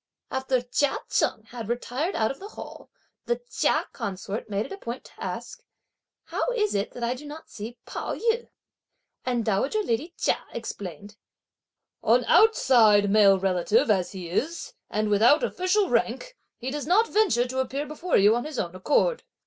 After Chia Cheng had retired out of the hall, the Chia consort made it a point to ask: "How is it that I do not see Pao yü?" and dowager lady Chia explained: "An outside male relative as he is, and without official rank, he does not venture to appear before you of his own accord."